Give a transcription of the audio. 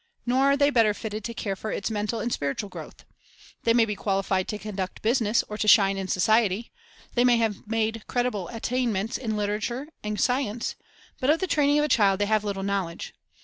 Nor are they better fitted to care for its mental and spiritual growth. They may be qualified to conduct business or to shine in society ; they may have made creditable attainments in literature and sci ence; but of the training of a child they have little knowledge.